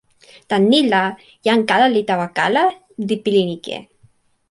tan ni la, jan kala li tawa kala, li pilin ike.